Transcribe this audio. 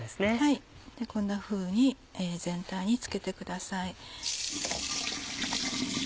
こんなふうに全体につけてください。